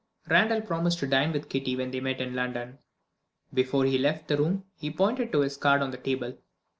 Randal promised to dine with Kitty when they met in London. Before he left the room he pointed to his card on the table.